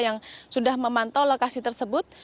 yang sudah memantau lokasi tersebut